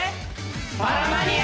パラマニア！